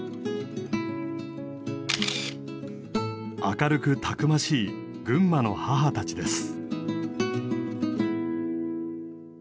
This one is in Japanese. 明るくたくましい群馬の母たちです。